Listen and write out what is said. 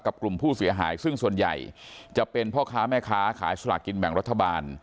กลุ่มผู้เสียหายซึ่งส่วนใหญ่จะเป็นพ่อค้าแม่ค้าขายสลากกินแบ่งรัฐบาล